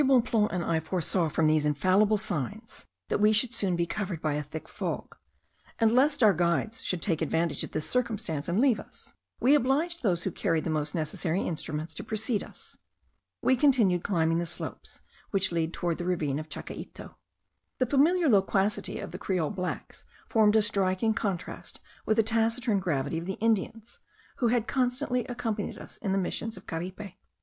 Bonpland and I foresaw from these infallible signs, that we should soon be covered by a thick fog; and lest our guides should take advantage of this circumstance and leave us, we obliged those who carried the most necessary instruments to precede us. We continued climbing the slopes which lead towards the ravine of Chacaito. The familiar loquacity of the Creole blacks formed a striking contrast with the taciturn gravity of the Indians, who had constantly accompanied us in the missions of Caripe.